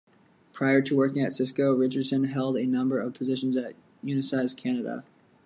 Prior to working at Cisco, Richardson held a number of positions at Unisys Canada.